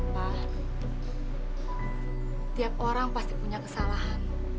pak tiap orang pasti punya kesalahan